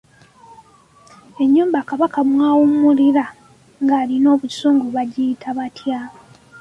Ennyumba Kabaka mw’awummulira ng’alina obusungu bagiyita batya?